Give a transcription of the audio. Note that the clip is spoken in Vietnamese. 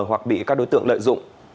hoặc bị các đối tượng lợi dụng